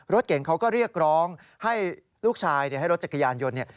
รถเก่งเขาก็เรียกร้องให้ลูกชายให้รถจักรยานยนต์